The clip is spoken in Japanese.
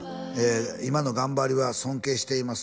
「今の頑張りは尊敬しています」